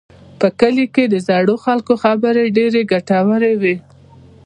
په کلي کې د زړو خلکو خبرې ډېرې ګټورې وي.